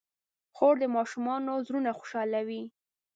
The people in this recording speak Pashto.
خور د ماشومانو زړونه خوشحالوي.